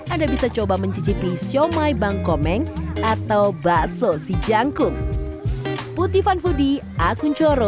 anda bisa coba mencicipi siomay bangkomeng atau bakso si jangkung